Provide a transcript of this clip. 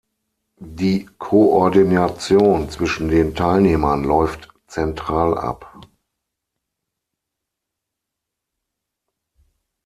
Die Koordination zwischen den Teilnehmern läuft zentral ab.